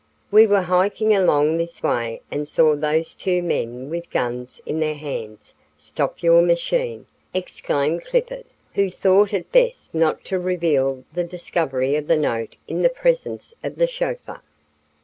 "We were hiking along this way and saw those two men with guns in their hands stop your machine" exclaimed Clifford, who thought it best not to reveal the discovery of the note in the presence of the chauffeur.